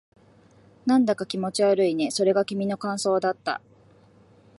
なんだか気持ち悪いね。それが君の感想だった。